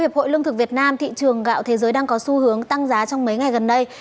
hiệp hội lương thực việt nam thị trường gạo thế giới đang có xu hướng tăng giá trong mấy ngày gần đây